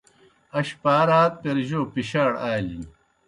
اش پار آد پیر جو پِشاڑ آلِن؟